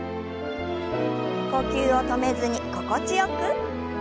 呼吸を止めずに心地よく。